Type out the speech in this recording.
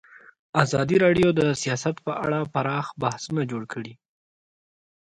ازادي راډیو د سیاست په اړه پراخ بحثونه جوړ کړي.